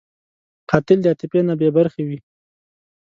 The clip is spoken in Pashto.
قاتل د عاطفې نه بېبرخې وي